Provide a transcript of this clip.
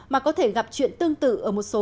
mà có thể gặp chuyện tương tự ở một số